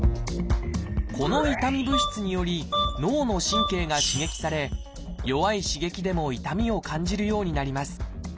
この痛み物質により脳の神経が刺激され弱い刺激でも痛みを感じるようになります。